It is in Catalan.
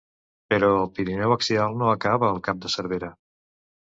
Però el Pirineu axial no acaba al cap de Cervera.